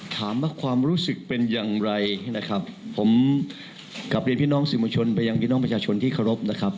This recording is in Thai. ถามว่าความรู้สึกเป็นอย่างไรผมกับเรียนพี่น้องสื่อมชลไปยังพี่น้องประชาชนที่ครบ